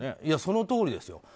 いや、そのとおりですよ。